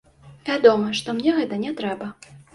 Вядома, што мне гэта не трэба.